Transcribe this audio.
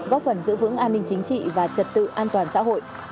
góp phần giữ vững an ninh chính trị và trật tự an toàn xã hội